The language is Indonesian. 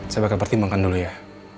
saya akan pertimbangkan dulu ya